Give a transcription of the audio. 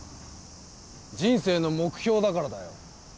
人生の目標だからだよ。